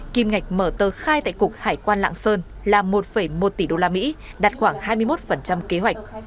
kim ngạch mở tờ khai tại cục hải quan lạng sơn là một một tỷ đô la mỹ đạt khoảng hai mươi một kế hoạch